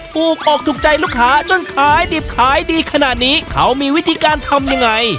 ออกถูกใจลูกค้าจนขายดิบขายดีขนาดนี้เขามีวิธีการทำยังไง